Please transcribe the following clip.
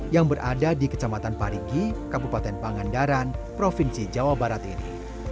yang berada di kecamatan pari